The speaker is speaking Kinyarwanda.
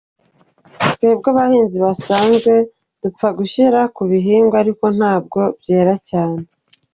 Twebwe abahinzi basanzwe dupfa gushyira ku bihingwa ariko ntabwo byera neza”.